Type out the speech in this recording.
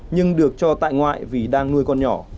nhưng được cho tại ngoại vì đang nuôi con nhỏ